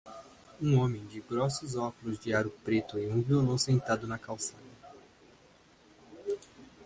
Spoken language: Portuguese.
Um homem com grossos óculos de aro preto e um violão sentado na calçada.